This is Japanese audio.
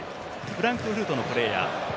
フランクフルトのプレーヤー。